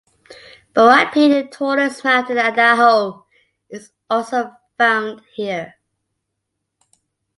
Borah Peak, the tallest mountain in Idaho, is also found here.